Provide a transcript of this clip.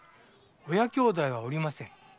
親兄弟はおりません。